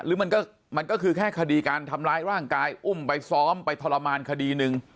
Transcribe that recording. หรือมันก็คือแค่คดีการทำร้ายร่างกายอุ้มไปซ้อมไปทรมานคดีหนึ่ง